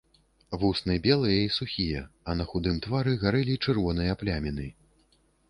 Вусны белыя і сухія, а на худым твары гарэлі чырвоныя пляміны.